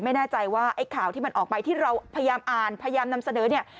ไม่แน่ใจว่าไอ้ข่าวที่มันออกไปที่เราพยายามอ่านพยายามนำเสนอเนี่ย